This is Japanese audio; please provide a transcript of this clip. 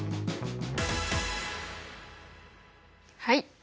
はい。